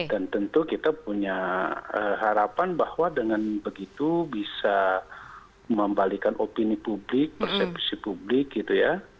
dan tentu kita punya harapan bahwa dengan begitu bisa membalikan opini publik persepsi publik gitu ya